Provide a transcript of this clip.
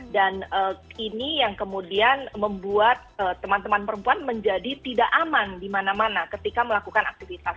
dan ini yang kemudian membuat teman teman perempuan menjadi tidak aman di mana mana ketika melakukan aktivitas